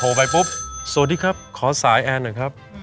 ไปปุ๊บสวัสดีครับขอสายแอนหน่อยครับ